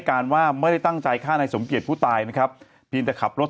การว่าไม่ได้ตั้งใจฆ่านายสมเกียจผู้ตายนะครับเพียงแต่ขับรถ